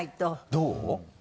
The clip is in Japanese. どう？